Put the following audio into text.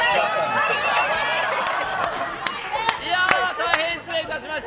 大変失礼いたしました。